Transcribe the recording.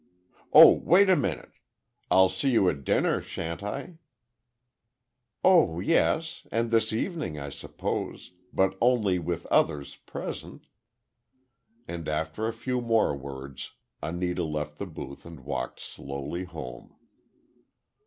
"Oh, wait a minute. I'll see you at dinner, shan't I?" "Oh, yes; and this evening, I suppose, but only with others present." And after a few more words Anita left the booth and walked slowly home.